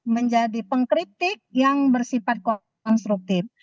menjadi pengkritik yang bersifat konstruktif